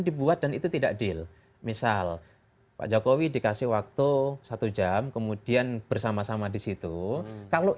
dibuat dan itu tidak deal misal pak jokowi dikasih waktu satu jam kemudian bersama sama di situ kalau